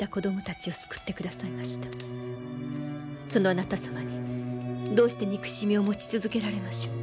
そのあなた様にどうして憎しみを持ち続けられましょう。